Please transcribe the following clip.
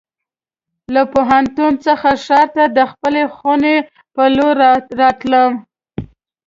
له پوهنتون څخه ښار ته د خپلې خونې په لور راتلم.